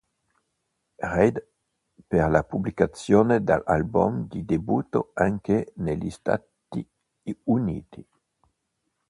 Reid per la pubblicazione dell'album di debutto anche negli Stati Uniti.